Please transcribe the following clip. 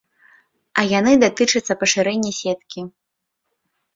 А яны датычацца пашырэння сеткі.